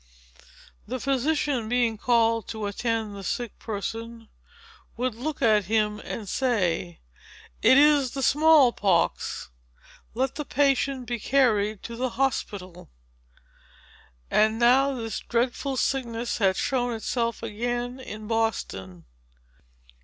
The physician, being called to attend the sick person, would look at him, and say,—"It is the small pox! let the patient be carried to the hospital." And now, this dreadful sickness had shown itself again in Boston.